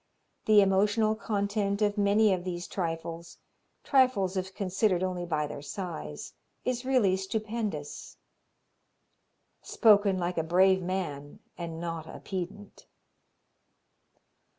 The emotional content of many of these trifles trifles if considered only by their size is really stupendous." Spoken like a brave man and not a pedant!